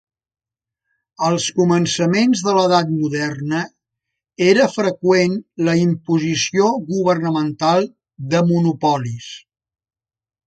Als començaments de l'edat moderna era freqüent la imposició governamental de monopolis.